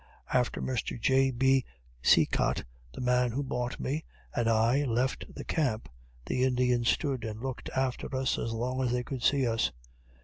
After Mr. J. B. Cecott, the man who bought me, and I left the camp, the Indians stood and looked after us as long as they could see us.